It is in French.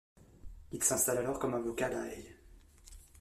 Il s'installe alors comme avocat à La Haye.